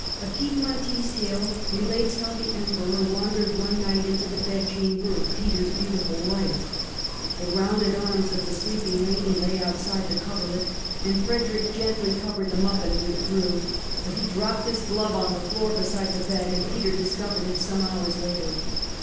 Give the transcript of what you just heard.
A Piedmontese tale relates how the Emperor wandered one night into the bedchamber of Peter's beautiful wife. The rounded arms of the sleeping lady lay outside the coverlet and Frederick gently covered them up and withdrew : but he dropped his glove on the floor beside the bed and Peter discovered it some hours later.